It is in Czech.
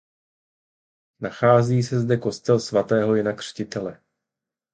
Nachází se zde kostel svatého Jana Křtitele.